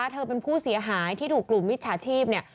เธอเป็นผู้เสียหายที่ถูกกลุ่มวิชาชีพ